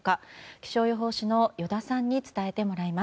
気象予報士の依田さんに伝えてもらいます。